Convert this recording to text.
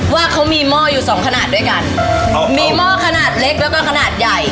ว่าเขามีหม้ออยู่สองขนาดด้วยกันอ๋อมีหม้อขนาดเล็กแล้วก็ขนาดใหญ่